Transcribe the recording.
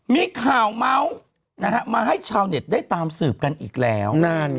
มีข่าวเมาส์มาให้ชาวเน็ตได้ตามสืบกันอีกแล้ว